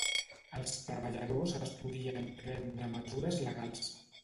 Els treballadors estudien prendre mesures legals.